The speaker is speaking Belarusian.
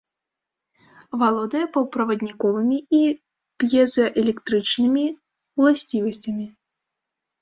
Валодае паўправадніковымі і п'езаэлектрычнымі ўласцівасцямі.